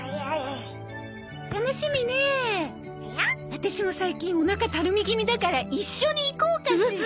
アタシも最近おなかたるみ気味だから一緒に行こうかしら？